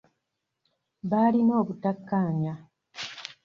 Baalina obutakkaanya.